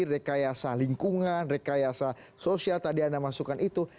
rekayasa lingkungan rekayasa sosial tadi anda masukkan itu